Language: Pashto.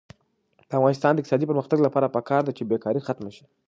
د افغانستان د اقتصادي پرمختګ لپاره پکار ده چې بېکاري ختمه شي.